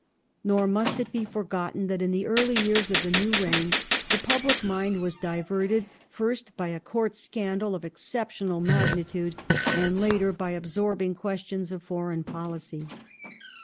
^ Nor must it be forgotten that in the early yeai"s of the new reign the public mind was diverted, first, by a Court scandal of exceptional magnitude, and later by absorbing questions of foreign policy.